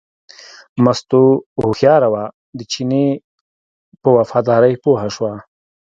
مستو هوښیاره وه، د چیني په وفادارۍ پوه شوه.